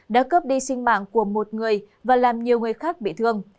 đã cướp đi sinh mạng của một người và làm nhiều người khác bị thương